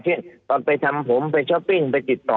ตอนไปทำผมไปช้อปปิ้งไปติดต่อ